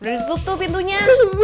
udah ditutup tuh pintunya